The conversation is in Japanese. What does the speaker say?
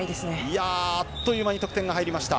あっという間に得点が入りました。